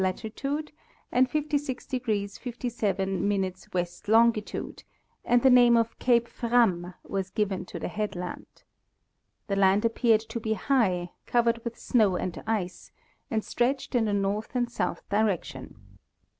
latitude and 56° 57' W. longitude and the name of cape Frammes was given to the headland. The land appeared to be high, covered with snow and ice, and stretched in a north and south direction.